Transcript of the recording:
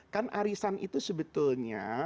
kan arisan itu sebetulnya